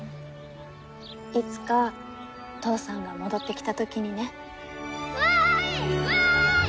いつか父さんが戻ってきた時にねわい！